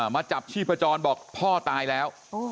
มาจับชีพจรบอกพ่อตายแล้ว